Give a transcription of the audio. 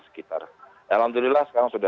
sekitar alhamdulillah sekarang sudah